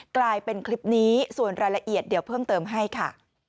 กลายเป็นคลิปนี้ส่วนรายละเอียดเดี๋ยวเพิ่มเติมให้ค่ะ